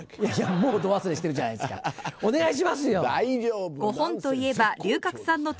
もうド忘れしてるじゃないですかお願いしますよ！